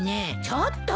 ちょっと！